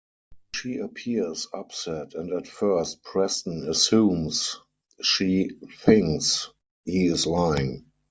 She appears upset and at first Preston assumes she thinks he is lying.